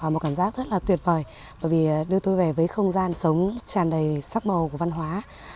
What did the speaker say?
một cảm giác rất là tuyệt vời bởi vì đưa tôi về với không gian sống tràn đầy sắc màu của văn hóa